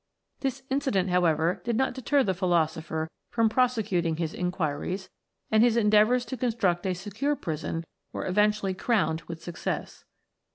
This incident, however, did not deter the philosopher from prosecuting his in quiries, and his endeavours to construct a secure prison were eventually crowned with success.